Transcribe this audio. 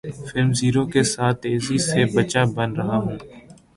film Zero کے ساتھ تیزی سے بچہ بن رہا ہوں